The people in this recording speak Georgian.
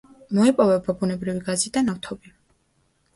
მოიპოვება ბუნებრივი გაზი და ნავთობი.